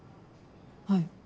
はい。